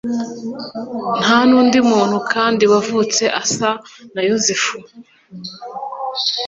Nta n’undi muntu kandi wavutse asa na Yozefu,